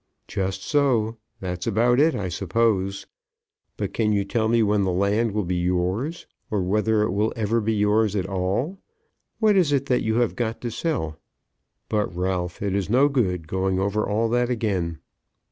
"Just so; that's about it, I suppose. But can you tell me when the land will be yours, or whether it will ever be yours at all? What is it that you have got to sell? But, Ralph, it is no good going over all that again."